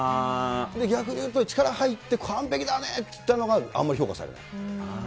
逆に言うと力入って完璧だねって言ったのが、あんまり評価されない。